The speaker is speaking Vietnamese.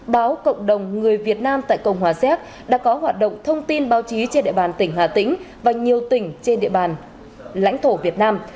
báo cộng đồng người việt nam tại cộng hòa xéc đã có hoạt động thông tin báo chí trên địa bàn tỉnh hà tĩnh và nhiều tỉnh trên địa bàn lãnh thổ việt nam